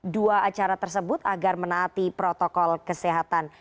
dua acara tersebut agar menaati protokol kesehatan